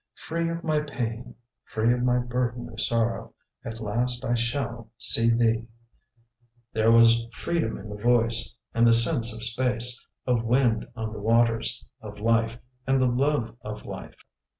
"Free of my pain, free of my burden of sorrow, At last I shall see thee " There was freedom in the voice, and the sense of space, of wind on the waters, of life and the love of life.